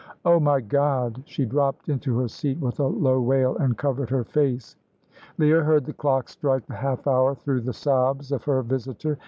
"Oh, my God!" She dropped into her seat with a low wail and covered her face. Leah heard the clock strike the half hour through the sobs of her visitor.